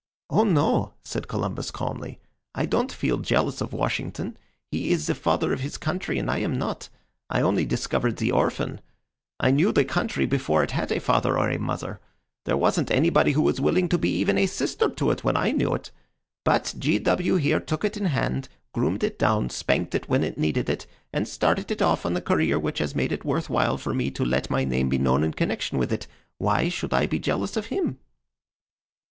"Oh no," said Columbus, calmly. "I don't feel jealous of Washington. He is the Father of his Country and I am not. I only discovered the orphan. I knew the country before it had a father or a mother. There wasn't anybody who was willing to be even a sister to it when I knew it. But G. W. here took it in hand, groomed it down, spanked it when it needed it, and started it off on the career which has made it worth while for me to let my name be known in connection with it. Why should I be jealous of him?"